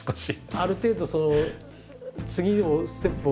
ある程度次のステップを。